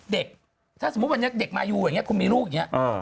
เด็กถ้าสมมุติวันนี้เด็กมายูอย่างนี้คุณมีลูกอย่างนี้